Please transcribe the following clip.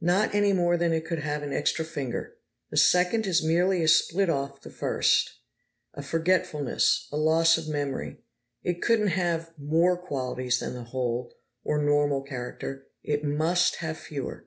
"Not any more than it could have an extra finger! The second is merely a split off the first, a forgetfulness, a loss of memory. It couldn't have more qualities than the whole, or normal, character; it must have fewer."